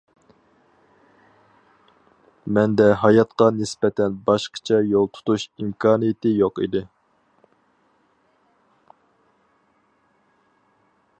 مەندە ھاياتقا نىسبەتەن باشقىچە يول تۇتۇش ئىمكانىيىتى يوق ئىدى.